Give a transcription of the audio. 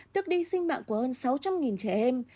tước đi sinh mạng của hơn sáu trăm linh trẻ em